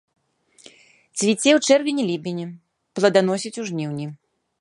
Цвіце ў чэрвені-ліпені, пладаносіць у жніўні.